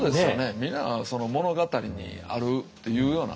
みんなその物語にあるというようなね